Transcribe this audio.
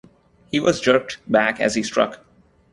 He was jerked back as he struck.